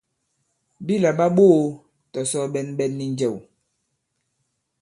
Bi làɓa ɓoō tɔ̀sɔ ɓɛ̀nɓɛ̀n nì njɛ̀w.